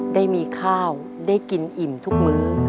ได้มีข้าวได้กินอิ่มทุกมื้อ